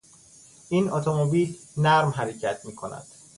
این اتومبیل نرم حرکت میکند.